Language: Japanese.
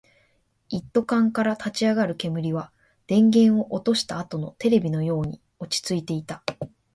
一斗缶から立ち上る煙は、電源を落としたあとのテレビのように落ち着いていた